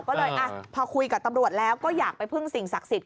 ก็เลยพอคุยกับตำรวจแล้วก็อยากไปพึ่งสิ่งศักดิ์สิทธิ